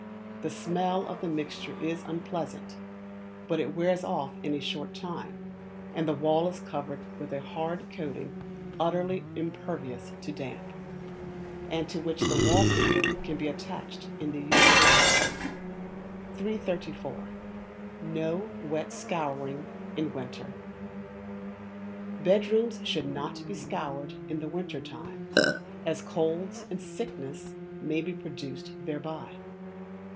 The smell of the mixture is unpleasant, but it wears off in a short time, and the wall is covered with a hard coating utterly impervious to damp, and to which the wall paper can be attached in the usual way. 334. No Wet Scouring In Winter. Bedrooms should not be scoured in the winter time, as colds and sickness may be produced thereby.